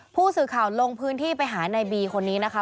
ผู้สื่อข่าวลงพื้นที่ไปหาในบีคนนี้นะคะ